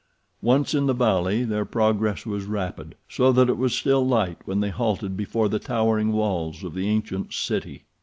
Once in the valley their progress was rapid, so that it was still light when they halted before the towering walls of the ancient city.